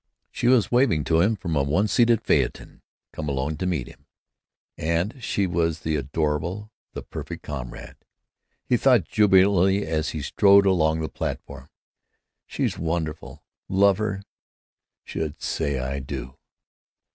She was waving to him from a one seated phaeton, come alone to meet him—and she was the adorable, the perfect comrade. He thought jubilantly as he strode along the platform: "She's wonderful. Love her? Should say I do!"